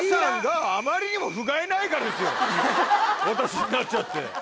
私になっちゃって。